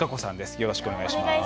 よろしくお願いします。